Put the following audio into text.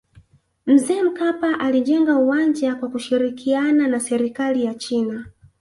mzee mkapa alijenga uwanja kwa kushirikiana na serikali ya china